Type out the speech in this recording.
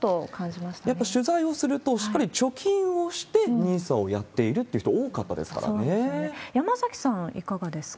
まやっぱ取材をすると、しっかり貯金をしてＮＩＳＡをやっているって人、多かったですか山崎さん、いかがですか。